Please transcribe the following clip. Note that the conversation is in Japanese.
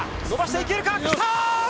伸ばしていけるか。